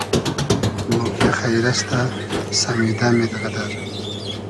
موگیۂ خݷر استۂ ؟ سئمیدئمید غئدئر